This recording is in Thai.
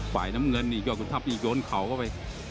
ฝ่ายน้ำเงินยกยนทรัพย์อีกโยนเขาเข้าไป